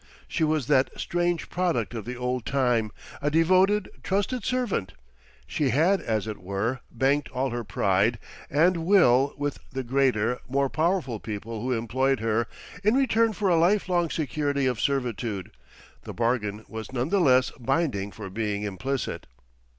She was that strange product of the old time, a devoted, trusted servant; she had, as it were, banked all her pride and will with the greater, more powerful people who employed her, in return for a life long security of servitude—the bargain was nonetheless binding for being implicit.